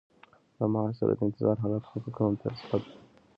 له معاش سره د انتظار حالت حقوق او امتیازات.